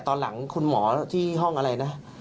ตอนหลังคุณหมอที่ห้องอะไรนะ